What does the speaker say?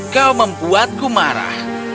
kau membuatku marah